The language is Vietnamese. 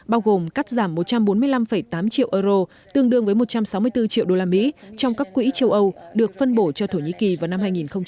bao gồm cắt giảm một trăm bốn mươi năm tám triệu euro tương đương với một trăm sáu mươi bốn triệu usd trong các quỹ châu âu được phân bổ cho thổ nhĩ kỳ vào năm hai nghìn hai mươi